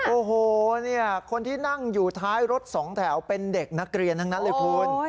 โอ้โหคนที่นั่งอยู่ท้ายรถสองแถวเป็นเด็กนักเรียนทั้งนั้นเลยคุณ